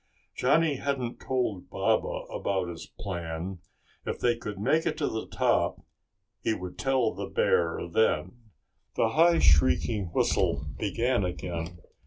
Johnny hadn't told Baba about his plan. If they could make it to the top he would tell the bear then. The high shrieking whistle began again.